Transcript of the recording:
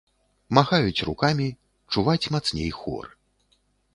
Махаюць рукамі, чуваць мацней хор.